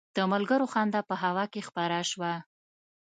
د ملګرو خندا په هوا کې خپره شوه.